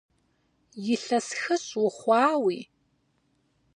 Илъэс хыщӏ ухъуауи?!